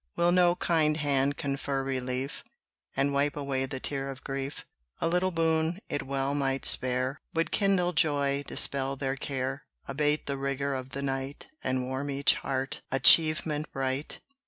Will no kind hand confer relief, And wipe away the tear of grief? A little boon it well might spare Would kindle joy, dispel their care, Abate the rigour of the night And warm each heart achievement bright.